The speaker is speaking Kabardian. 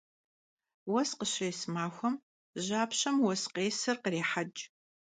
Vues khışês maxuem japşem vues khêsır khrêheç'.